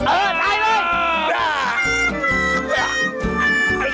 เออตายเลย